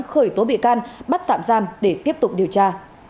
khởi tố bị can bắt tạm giam để tiếp tục điều tra